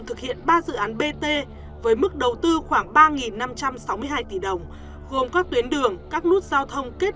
thực hiện ba dự án bt với mức đầu tư khoảng ba năm trăm sáu mươi hai tỷ đồng gồm các tuyến đường các nút giao thông kết